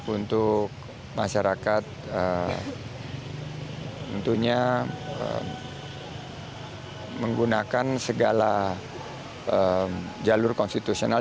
untuk masyarakat tentunya menggunakan segala jalur konstitusional